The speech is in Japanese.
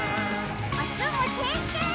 おつむてんてん！